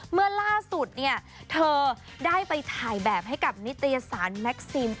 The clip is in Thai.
เมื่อล่าสุดเนี่ยเธอได้ไปถ่ายแบบให้กับนิตยสารแม็กซิม